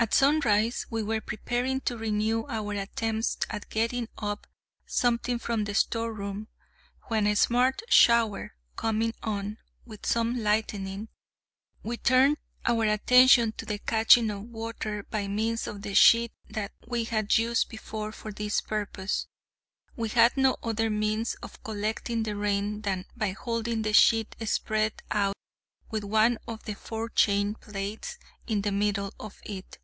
At sunrise we were preparing to renew our attempts at getting up something from the storeroom, when, a smart shower coming on, with some lightning, we turn our attention to the catching of water by means of the sheet we had used before for this purpose. We had no other means of collecting the rain than by holding the sheet spread out with one of the forechain plates in the middle of it.